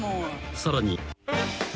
［さらに］